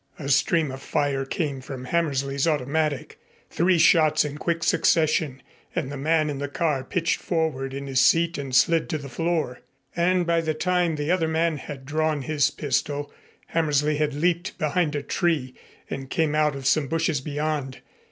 A stream of fire came from Hammersley's automatic; three shots in quick succession, and the man in the car pitched forward in his seat and slid to the floor. And by the time the other man had drawn his pistol, Hammersley had leaped behind a tree and came out of some bushes beyond.